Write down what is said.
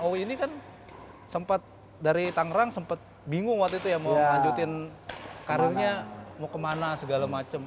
jokowi ini kan sempat dari tangerang sempat bingung waktu itu ya mau lanjutin karirnya mau kemana segala macem